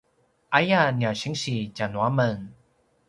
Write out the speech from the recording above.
aya nia sinsi tjanuamen